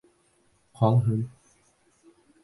Ҡалһын!